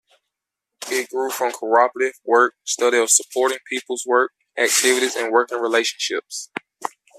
It grew from cooperative work study of supporting people's work activities and working relationships.